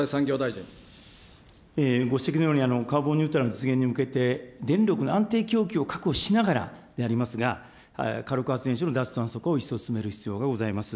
ご指摘のように、カーボンニュートラルの実現に向けて、電力の安定供給を確保しながら、やりますが、火力発電所の脱炭素化を一層進める必要がございます。